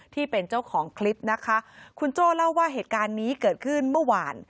ที่เป็นเจ้าของคลิปนะคะคุณโจ้เล่าว่าเหตุการณ์นี้เกิดขึ้นเมื่อวาน